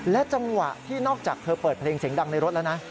จังหวะที่นอกจากเธอเปิดเพลงเสียงดังในรถแล้วนะ